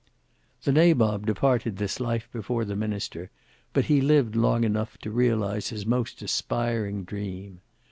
The Nabob departed this life before the Minister, but he lived long enough to realize his most aspiring dream.